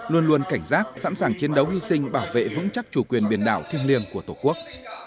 luôn luôn cảnh giác sẵn sàng chiến đấu hy sinh bảo vệ vững chắc chủ quyền biển đảo thiêng liêng của tổ quốc